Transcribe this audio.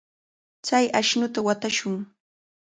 Chay ashnuta watashun.